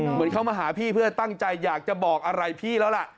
เหมือนเขามาหาพี่เพื่อตั้งใจอยากจะบอกอะไรพี่แล้วล่ะ